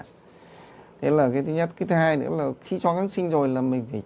đấy là cái thứ nhất cái thứ hai nữa là khi cho kháng sinh rồi là mình phải